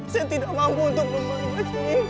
saya tidak mampu untuk membeli baju ini